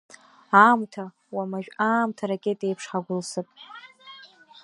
Аамҭа, уамажә аамҭа аракетеиԥш ҳагәылсып.